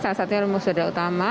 salah satunya rumah saudara utama